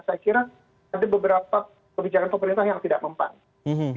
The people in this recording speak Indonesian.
saya kira ada beberapa kebijakan pemerintah yang tidak mempan